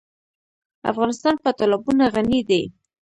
افغانستان په تالابونه غني دی.